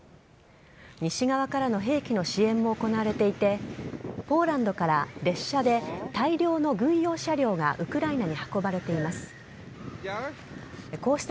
西側からの兵器の支援も行われていてポーランドから列車で大量の軍用車両がウクライナに運ばれています。